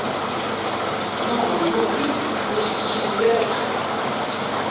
Ma ur yukir, ur yettili ara bxir.